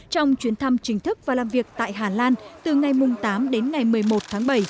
trong chuyến thăm chính thức và làm việc tại hà lan từ ngày tám đến ngày một mươi một tháng bảy